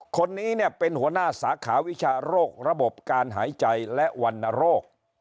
คนนี้เนี่ยเป็นหัวหน้าสาขาวิชาโรคระบบการหายใจและวรรณโรค